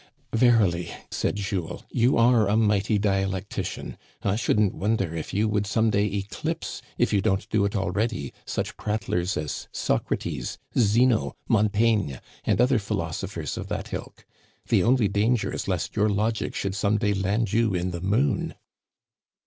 *' Verily," said Jules, " you are a mighty dialectician. I shouldn't wonder if you would some day eclipse, if you don't do it already, such prattlers as Socrates, Zeno, Montaigne, and other philosophers of that ilk. The only danger is lest your logic should some day land you in the moon."